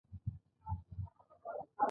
د سپوږمۍ سیوری یو زړه راښکونکی خوند لري.